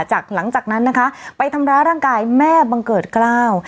หลังจากนั้นนะคะไปทำร้ายร่างกายแม่บังเกิดกล้าว